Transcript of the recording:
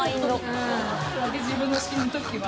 自分の死ぬときは。